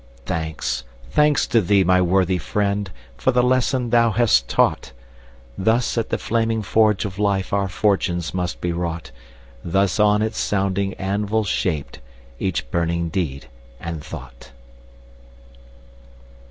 Thanks, thanks to thee, my worthy friend, For the lesson thou hast taught! Thus at the flaming forge of life Our fortunes must be wrought; Thus on its sounding anvil shaped Each burning deed and thought.